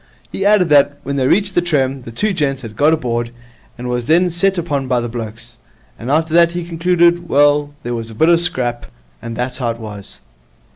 He added that, when they reached the trem, the two gents had got aboard, and was then set upon by the blokes. And after that, he concluded, well, there was a bit of a scrap, and that's how it was.